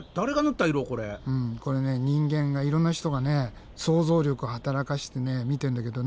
これね人間がいろんな人がね想像力を働かせてみてんだけどね